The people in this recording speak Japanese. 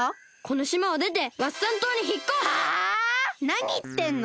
なにいってんの！？